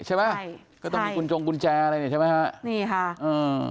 ใช่ไหมใช่ก็ต้องมีกุญจงกุญแจอะไรเนี่ยใช่ไหมฮะนี่ค่ะอ่า